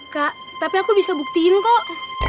kak tapi aku bisa buktiin kok